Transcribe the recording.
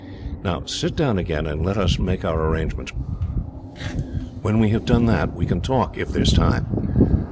"Now sit down again, and let us make our arrangements. When we have done that we can talk, if there is time.